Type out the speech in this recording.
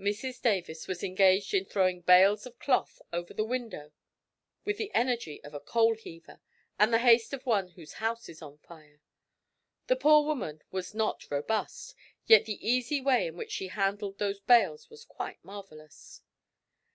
Mrs Davis was engaged in throwing bales of cloth over the window with the energy of a coal heaver and the haste of one whose house is on fire! The poor woman was not robust, yet the easy way in which she handled those bales was quite marvellous.